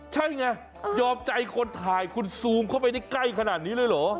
ใช่ไงยอมใจคนถ่ายคุณซูมเข้าไปได้ใกล้ขนาดนี้เลยเหรอ